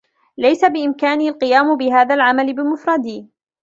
ليس بإمكاني القيام بهذا العمل بمفردي.